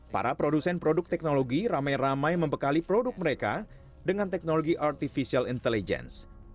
para produsen produk teknologi ramai ramai membekali produk mereka dengan teknologi artificial intelligence